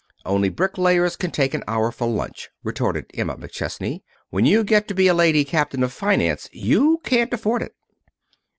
"Only bricklayers can take an hour for lunch," retorted Emma McChesney. "When you get to be a lady captain of finance you can't afford it."